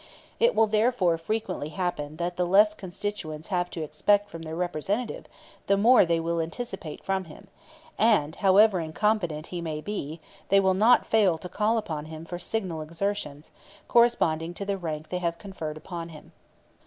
It will therefore frequently happen that the less constituents have to expect from their representative, the more they will anticipate from him; and, however incompetent he may be, they will not fail to call upon him for signal exertions, corresponding to the rank they have conferred upon him.